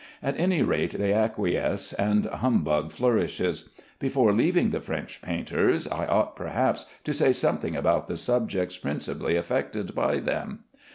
At any rate they acquiesce, and humbug flourishes. Before leaving the French painters, I ought, perhaps, to say something about the subjects principally affected by them.